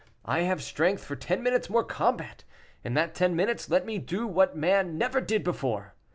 I have strength for ten minutes' more combat; in that ten minutes let me do what man never did before."